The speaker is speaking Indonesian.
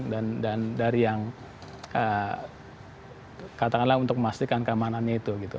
dan dari yang katakanlah untuk memastikan keamanannya itu gitu